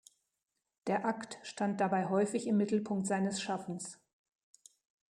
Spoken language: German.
Der Akt stand dabei häufig im Mittelpunkt seines Schaffens.